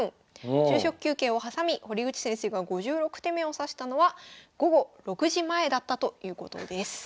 昼食休憩を挟み堀口先生が５６手目を指したのは午後６時前だったということです。